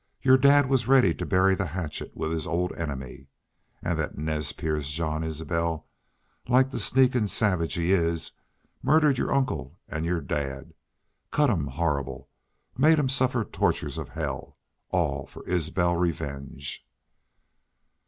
Your dad was ready to bury the hatchet with his old enemy. An' that Nez Perce Jean Isbel, like the sneakin' savage he is, murdered your uncle an' your dad.... Cut him horrible made him suffer tortures of hell all for Isbel revenge!"